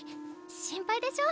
心配でしょ？